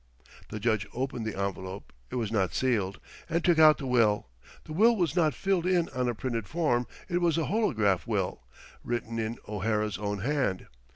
The Judge opened the envelope it was not sealed and took out the will. The will was not filled in on a printed form it was a holograph will, written in O'Hara's own hand.